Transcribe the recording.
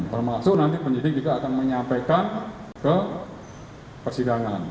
termasuk nanti penyidik juga akan menyampaikan ke persidangan